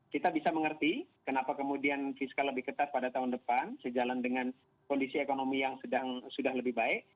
kita bisa mengerti kenapa kemudian fiskal lebih ketat pada tahun depan sejalan dengan kondisi ekonomi yang sudah lebih baik